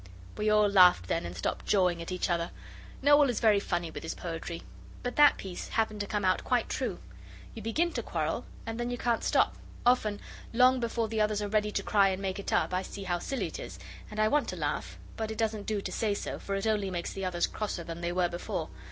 We all laughed then and stopped jawing at each other. Noel is very funny with his poetry. But that piece happened to come out quite true. You begin to quarrel and then you can't stop; often, long before the others are ready to cry and make it up, I see how silly it is, and I want to laugh; but it doesn't do to say so for it only makes the others crosser than they were before.